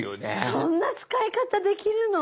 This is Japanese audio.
そんな使い方できるの！